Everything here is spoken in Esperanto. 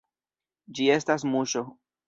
Ĝi estas muŝo.